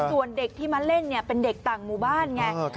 ส่วนเด็กที่มาเล่นเนี่ยเป็นเด็กต่างหมู่บ้านไง